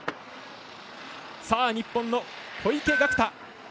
日本の小池岳太。